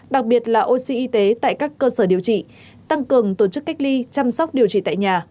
đặc biệt là oxy y tế tại các cơ sở điều trị tăng cường tổ chức cách ly chăm sóc điều trị tại nhà